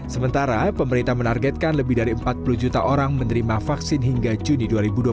sementara pemerintah menargetkan lebih dari empat puluh juta orang menerima vaksin hingga juni dua ribu dua puluh satu